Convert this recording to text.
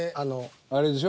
あれでしょ？